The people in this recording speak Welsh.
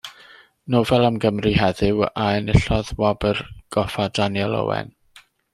Nofel am Gymru heddiw a enillodd Wobr Goffa Daniel Owen.